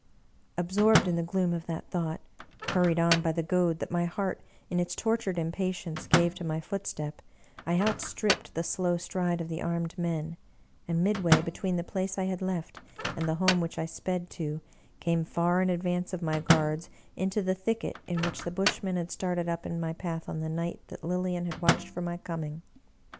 " Absorbed in the gloom of that thought, hurried on by the goad that my heart, in its tor tured impatience, gave to my footstep, I outstripped the slow stride of the armed men, and, midway between the place I had left and the home which I sped to, came, far in advance of my guards, into the thicket in which the Bushmen had started up in my path on the night that Lilian had watched for my coming.